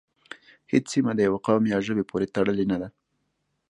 هیڅ سیمه د یوه قوم یا ژبې پورې تړلې نه ده